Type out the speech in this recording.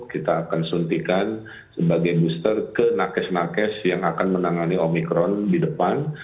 kita akan suntikan sebagai booster ke nakes nakes yang akan menangani omikron di depan